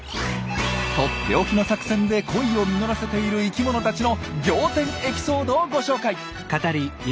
とっておきの作戦で恋を実らせている生きものたちの仰天エピソードをご紹介！